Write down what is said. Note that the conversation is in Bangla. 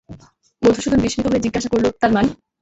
মধুসূদন বিস্মিত হয়ে জিজ্ঞাসা করলে, তার মানে?